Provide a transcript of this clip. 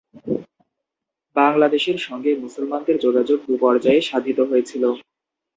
বাংলাদেশের সঙ্গে মুসলমানদের যোগাযোগ দুপর্যায়ে সাধিত হয়েছিল।